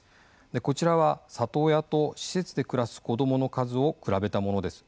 こちらは里親と施設で暮らす子どもの数を比べたものです。